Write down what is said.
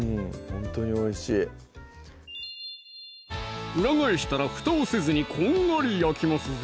ほんとにおいしい裏返したら蓋をせずにこんがり焼きますぞ！